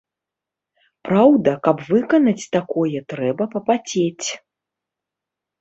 Праўда, каб выканаць такое, трэба папацець.